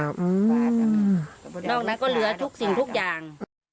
นอกนั้นก็เหลือทุกสิ่งทุกอย่าง